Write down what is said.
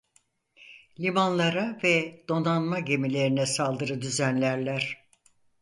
Limanlara ve donanma gemilerine saldırı düzenlerler.